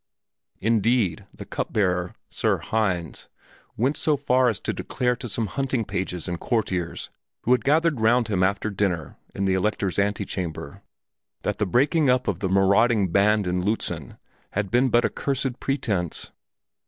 Indeed the Cup bearer, Sir Hinz, went so far as to declare to some hunting pages and courtiers who had gathered round him after dinner in the Elector's antechamber that the breaking up of the marauding band in Lützen had been but a cursed pretense.